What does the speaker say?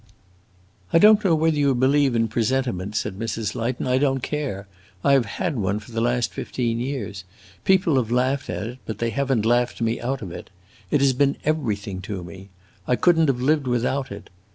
"I don't know whether you believe in presentiments," said Mrs. Light, "and I don't care! I have had one for the last fifteen years. People have laughed at it, but they have n't laughed me out of it. It has been everything to me. I could n't have lived without it.